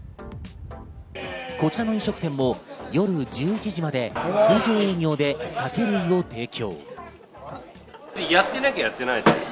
こちらの飲食店も夜１１時まで通常営業で酒類を提供。